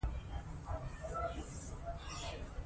افغانستان په اوړي باندې تکیه لري.